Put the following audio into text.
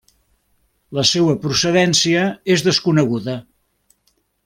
La seua procedència és desconeguda.